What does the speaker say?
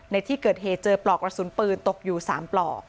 ในที่เกิดเหตุเจอปลอกกระสุนปืนตกอยู่๓ปลอก